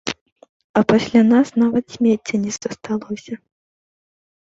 А пасля нас нават смецця не засталося.